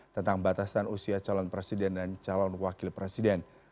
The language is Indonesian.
tentang batasan usia calon presiden dan calon wakil presiden